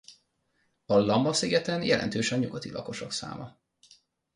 A Lamma-szigeten jelentős a nyugati lakosok száma.